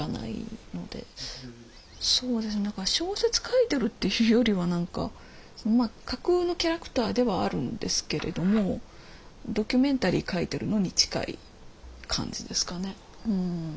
そうですね何か小説書いてるっていうよりは何かまあ架空のキャラクターではあるんですけれどもドキュメンタリー書いてるのに近い感じですかね。